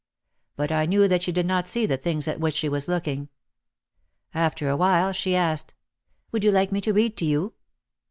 But I knew that she did not see the things at which she was looking. After a while she asked, "Would you like me to read to you?"